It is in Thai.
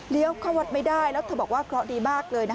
เลี้ยวเข้าวัดไม่ได้แล้วเธอบอกว่าเพราะดีมากเลย